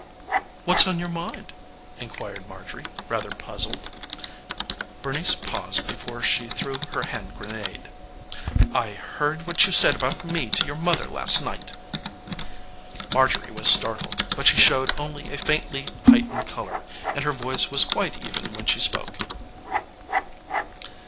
"What's on your mind?" inquired Marjorie, rather puzzled. Bernice paused before she threw her hand grenade. "I heard what you said about me to your mother last night." Marjorie was startled, but she showed only a faintly heightened color and her voice was quite even when she spoke.